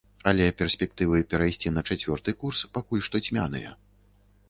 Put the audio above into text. Але перспектывы перайсці на чацвёрты курс пакуль што цьмяныя.